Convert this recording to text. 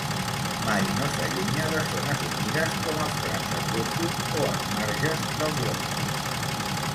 Mai no s'allunya de zones humides com els prats herbosos o els marges dels boscos.